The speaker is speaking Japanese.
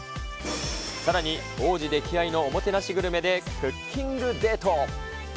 さらに王子溺愛のおもてなしグルメでクッキングデート。